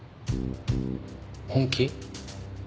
本気？